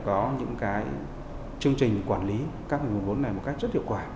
bộ âu thông cần phải có những chương trình quản lý các nguồn vốn này một cách rất hiệu quả